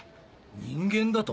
人間だと？